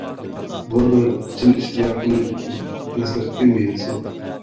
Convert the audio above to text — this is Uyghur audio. بۇ بىر چىن ئىشتىياقنىڭ دەسلەپكى مېۋىسى.